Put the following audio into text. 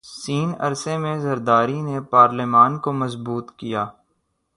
س عرصے میں زرداری نے پارلیمان کو مضبوط کیا